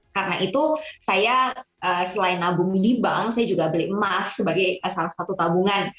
karena itu saya selain nabung di bank saya juga beli emas sebagai salah satu tabungan